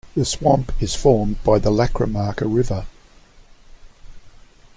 The swamp is formed by the Lacramarca River.